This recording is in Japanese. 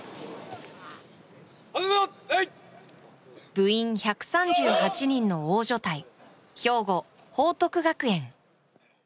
部員１３８人の大所帯兵庫・報徳学園。